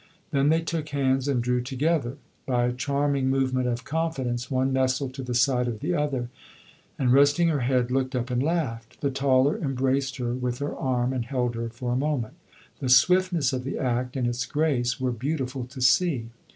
Then they took hands and drew together. By a charming movement of confidence one nestled to the side of the other and resting her head looked up and laughed. The taller embraced her with her arm and held her for a moment. The swiftness of the act and its grace were beautiful to see.